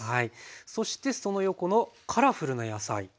そしてその横のカラフルな野菜。